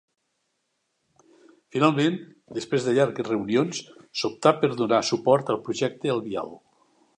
Finalment, després de llargues reunions s'optà per donar suport al projecte al vial.